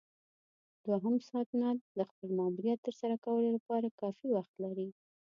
دوهم ساتنمن د خپل ماموریت ترسره کولو لپاره کافي وخت لري.